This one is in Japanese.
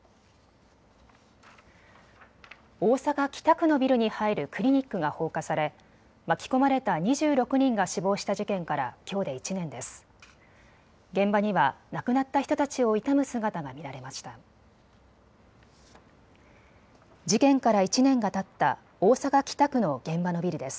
大阪北区のビルに入るクリニックが放火され巻き込まれた２６人が死亡した事件からきょうで１年です。